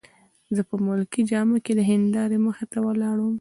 زه په ملکي جامه کي د هندارې مخې ته ولاړ وم.